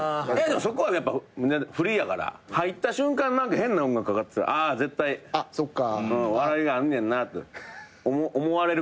そこはやっぱフリやから入った瞬間何か変な音楽かかってたら「あ絶対笑いがあんねんな」と思われるからな。